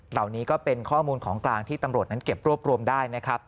เหล่านี้ก็เป็นข้อมูลของกลางที่ตำรวจนั้นเก็บรวบรวมได้นะครับ